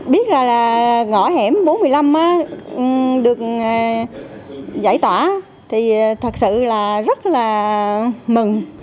biết ra là ngõ hẻm bốn trăm một mươi năm được giải tỏa thì thật sự là rất là mừng